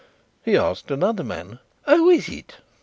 He asked another man. "Who is it?"